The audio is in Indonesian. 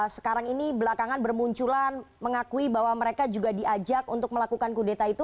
sekarang ini belakangan bermunculan mengakui bahwa mereka juga diajak untuk melakukan kudeta itu